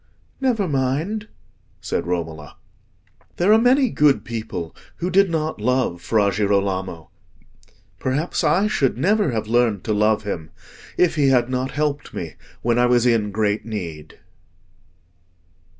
"Never mind," said Romola. "There are many good people who did not love Fra Girolamo. Perhaps I should never have learned to love him if he had not helped me when I was in great need."